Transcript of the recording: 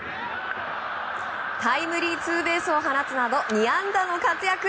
タイムリーツーベースを放つなど２安打の活躍。